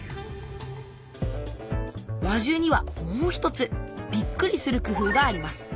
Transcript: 輪中にはもう一つびっくりする工夫があります。